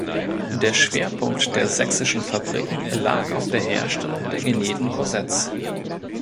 Der Schwerpunkt der sächsischen Fabriken lag auf der Herstellung der genähten Korsetts.